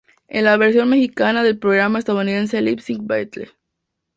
Es la versión mexicana del programa estadounidense Lip Sync Battle.